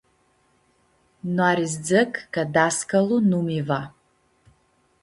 Noari s-dzãc ca dascalu nu mi-va.